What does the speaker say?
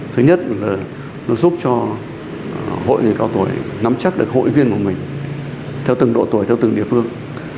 thứ nhất là nó giúp cho hội người cao tuổi nắm chắc được hội viên của mình theo từng độ tuổi theo từng địa phương